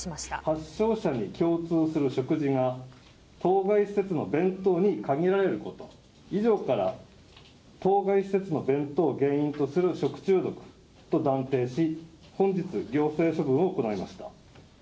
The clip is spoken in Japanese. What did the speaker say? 発症者に共通する食事が当該施設の弁当に限られること、以上から、当該施設の弁当を原因とする食中毒と断定し、本日、行政処分を行いました。